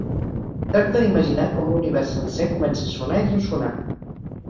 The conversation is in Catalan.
Tracta d'imaginar com l'univers sencer comença a sonar i ressonar.